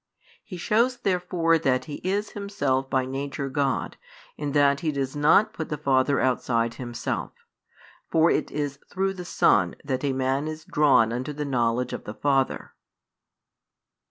He shows therefore that He is Himself by Nature God, in that He does not put the Father outside Himself. For it is through the Son that a man is drawn unto the knowledge of the Father.